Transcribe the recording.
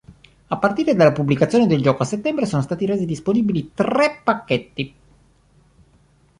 A partire dalla pubblicazione del gioco a settembre sono stati resi disponibili tre pacchetti.